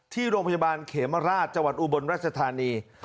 ที่โรงพยาบาลเขมราชจังหวัดอุบลราชธานี